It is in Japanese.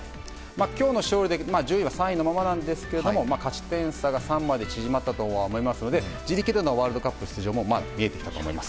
今日の勝利でも順位は３位のままなんですが勝ち点差が３に縮まったので自力でのワールドカップ出場も見えてきたと思います。